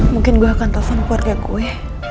mungkin gue akan telepon keluarga gue